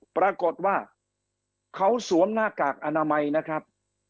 ปรากฏว่าเขาสวมหน้ากากอนามัยนะครับ